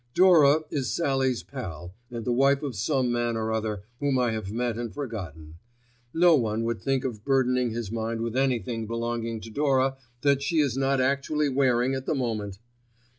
Dora is Sallie's pal and the wife of some man or other whom I have met and forgotten: no one would think of burdening his mind with anything belonging to Dora that she is not actually wearing at the moment.